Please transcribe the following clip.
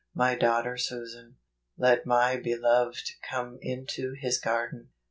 My Daughter Susan. " Let my beloved come into his garden." 4.